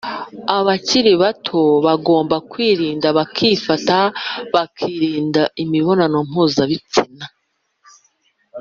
abakiri bato bagomba kwifata bakirinda imibonano mpuzabitsina